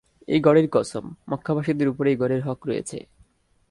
এই ঘরের কসম, মক্কাবাসীদের উপরে এই ঘরের হক রয়েছে।